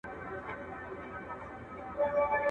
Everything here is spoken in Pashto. چي هر ځای به یو قاتل وو دی یې یار وو.